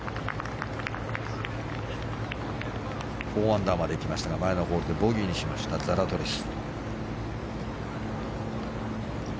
４アンダーまで来ましたが前のホールでボギーにしましたザラトリス。